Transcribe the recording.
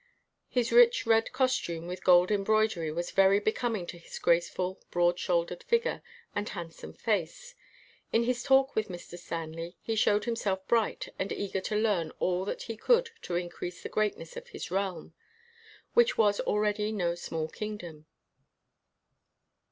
His rich, red costume with gold embroidery was very becoming to his grace ful, broad shouldered figure and handsome face. In his talk with Mr. Stanley, he showed himself bright and eager to learn all that he could to increase the greatness of his realm, which was already no small king dom.